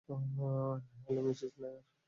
Hello, Mrs Nair.